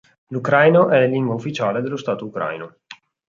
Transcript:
L'ucraino è lingua ufficiale dello Stato ucraino.